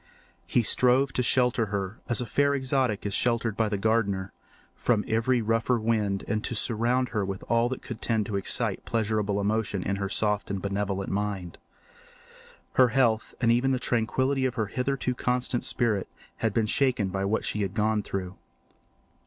He strove to shelter her, as a fair exotic is sheltered by the gardener, from every rougher wind and to surround her with all that could tend to excite pleasurable emotion in her soft and benevolent mind. Her health, and even the tranquillity of her hitherto constant spirit, had been shaken by what she had gone through.